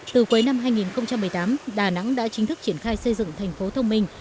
từ cuối năm hai nghìn một mươi tám đà nẵng đã chính thức triển khai xây dựng thành phố thông minh